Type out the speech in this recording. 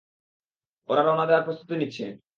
ওরা রওনা দেয়ার প্রস্তুতী নিচ্ছে।